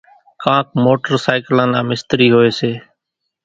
ڪانڪ موٽرسائيڪلان نا مِستري هوئيَ سي۔